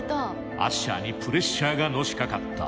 アッシャーにプレッシャーがのしかかった。